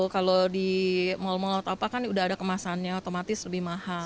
kalau di mal malt apa kan udah ada kemasannya otomatis lebih mahal